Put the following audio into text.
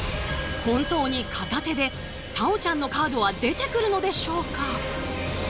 本当に片手で太鳳ちゃんのカードは出てくるのでしょうか？